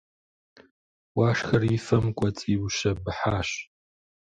Уашхэр и фэм кӏуэцӏиущэбыхьащ.